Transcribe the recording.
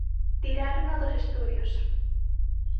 Tirárono dos estudios.